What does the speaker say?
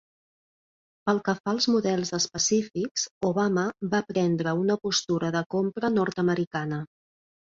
Pel que fa als models específics, Obama va prendre una postura de compra nord-americana.